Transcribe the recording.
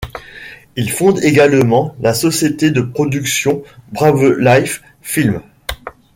Il fonde également la société de production Bravelife Films.